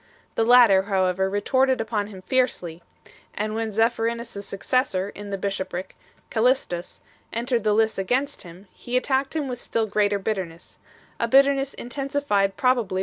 The latter however retorted upon him fiercely : and when Zephyrinus s successor in the bishopric, Callistus, entered the lists against him, he attacked him with still greater bitterness; a bitterness intensified probably by circum 1 Hippolytus, c.